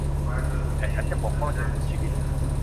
แต่ฉันจะปกป้องจนสุดชีวิต